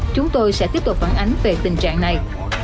chúng tôi sẽ tiếp tục phản ánh về tình trạng này